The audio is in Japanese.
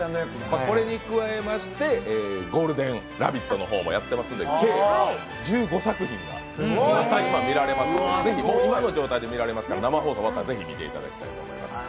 これに加えまして、「ゴールデンラヴィット！」の方もやってますんで計１５作品が見られますので生放送終わったら、ぜひ見ていただきたいと思います。